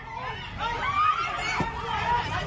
สอนร่วม